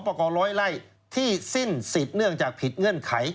ประกอบร้อยไล่ที่สิ้นสิทธิ์เนื่องจากผิดเงื่อนไข